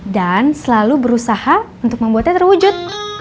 selalu berusaha untuk membuatnya terwujud